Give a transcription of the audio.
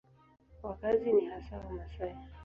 Wakazi ni hasa Wamasai.